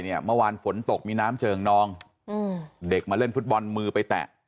เมื่อวานฝนตกมีน้ำเจิงนองเด็กมาเล่นฟุตบอลมือไปแตะ